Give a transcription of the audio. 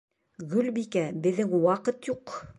Гөлбикә, беҙҙең ваҡыт юҡ.